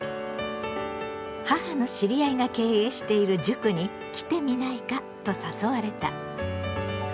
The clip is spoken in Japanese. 母の知り合いが経営している塾に来てみないかと誘われた。